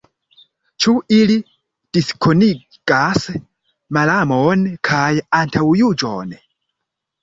Ĉu ili diskonigas malamon kaj antaŭjuĝon?